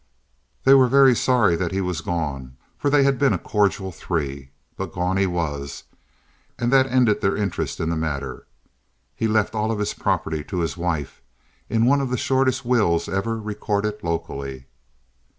They were very sorry that he was gone, for they had been a cordial three. But gone he was, and that ended their interest in the matter. He left all of his property to his wife in one of the shortest wills ever recorded locally.